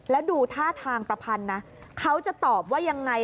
แล้วดูท่าทางประพันธ์นะเขาจะตอบว่ายังไง